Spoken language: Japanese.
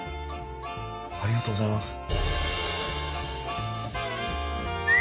ありがとうございます。